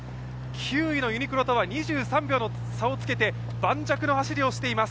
９位のユニクロとは２３秒の差をつけて磐石の走りをしています。